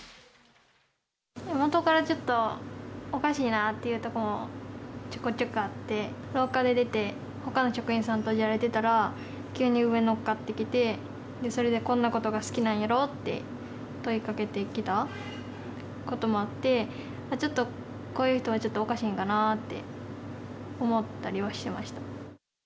もとからちょっとおかしいなっていうところもちょこちょこあって、廊下に出て、ほかの職員さんとじゃれてたら、急に上乗っかってきて、それで、こんなことが好きなんやろって、問いかけてきたこともあって、ちょっとこういう人はちょっとおかしいんかなって思ったりはしてました。